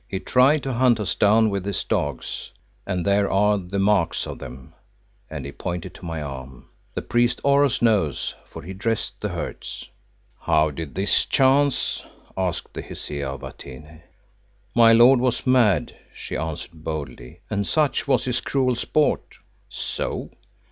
He tried to hunt us down with his dogs, and there are the marks of them," and he pointed to my arm. "The priest Oros knows, for he dressed the hurts." "How did this chance?" asked the Hesea of Atene. "My lord was mad," she answered boldly, "and such was his cruel sport." "So.